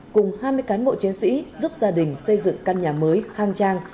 cùng hai mươi cán bộ chiến sĩ giúp gia đình xây dựng căn nhà mới khang trang